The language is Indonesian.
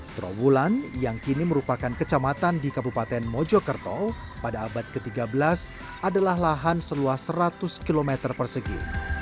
trawulan yang kini merupakan kecamatan di kabupaten mojokerto pada abad ke tiga belas adalah lahan seluas seratus km persegi